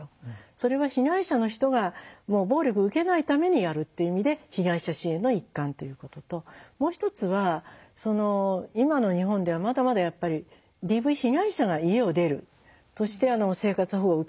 それは被害者の人がもう暴力を受けないためにやるっていう意味で被害者支援の一環ということともう一つは今の日本ではまだまだやっぱりＤＶ被害者が家を出るとして生活保護を受けるって。